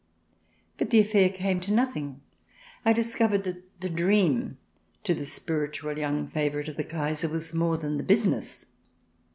But the affair came to nothing. I discovered that the Dream, to the spiritual young favourite of the Kaiser, was more than the Business.